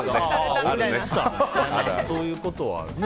そういうことはあるね。